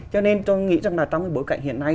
cho nên tôi nghĩ rằng là trong cái bối cảnh hiện nay